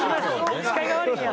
視界が悪いんや。